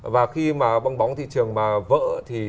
và khi mà bong bóng thị trường mà vỡ thì